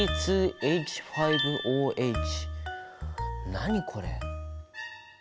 何これ？